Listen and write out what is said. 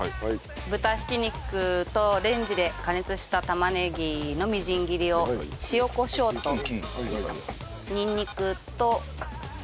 豚挽き肉とレンジで加熱した玉ねぎのみじん切りを塩コショウとにんにくとお酒。